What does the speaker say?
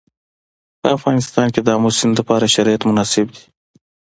په افغانستان کې د آمو سیند لپاره شرایط مناسب دي.